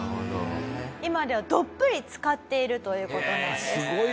今ではどっぷりつかっているという事なんです。